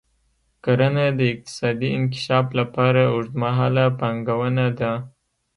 کرنه د اقتصادي انکشاف لپاره اوږدمهاله پانګونه ده.